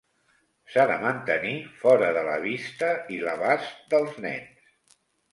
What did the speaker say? S'ha de mantenir fora de la vista i l'abast dels nens.